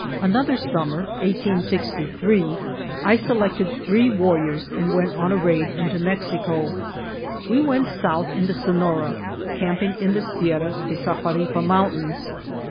Another summer (1863) I selected three warriors and went on a raid into Mexico. We went south into Sonora, camping in the Sierra de Sahuaripa Mountains.